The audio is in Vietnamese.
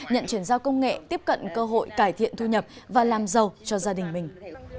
nhận chuyển giao công nghệ tiếp cận cơ hội cải thiện thu nhập và làm giàu cho gia đình mình